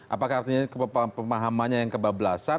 apakah artinya pemahamannya yang kebablasan